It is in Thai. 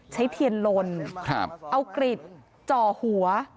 ใช้เทียนลนเอากริดจ่อหัว